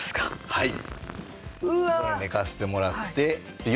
はい。